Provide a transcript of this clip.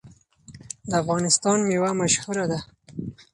د افغانستان میوه مشهوره ده.